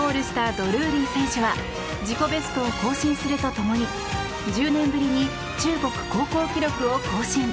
ドルーリー選手は自己ベストを更新するとともに１０年ぶりに中国高校記録を更新。